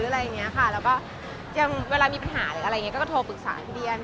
แล้วก็เวลามีปัญหาอะไรก็โทรปรึกษาพี่เดียน